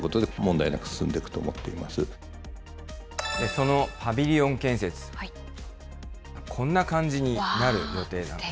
そのパビリオン建設、こんな感じになる予定なんです。